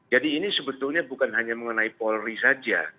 jadi ini sebetulnya bukan hanya mengenai polri saja